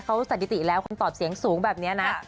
เขาสถิติแล้วคำตอบเสียงสูงแบบนี้นะ